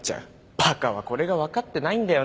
バカはこれが分かってないんだよなぁ。